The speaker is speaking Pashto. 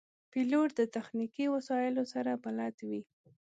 پیلوټ د تخنیکي وسایلو سره بلد وي.